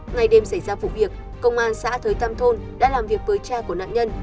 ngày đêm xảy ra vụ việc công an xã thới tam thôn đã làm việc với cha của nạn nhân